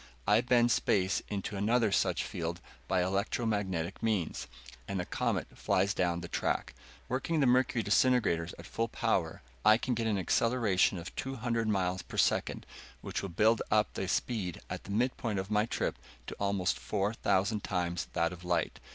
I bend space into another such field by electromagnetic means, and the Comet flies down the track. Working the mercury disintegrators at full power, I can get an acceleration of two hundred miles per second, which will build up the speed at the midpoint of my trip to almost four thousand times that of light.